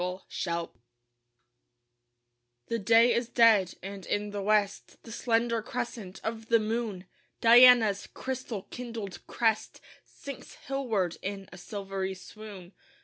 DIONYSIA The day is dead; and in the west The slender crescent of the moon Diana's crystal kindled crest Sinks hillward in a silvery swoon.